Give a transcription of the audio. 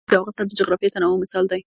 اوښ د افغانستان د جغرافیوي تنوع مثال دی.